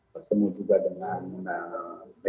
bertemu juga dengan muna b tiga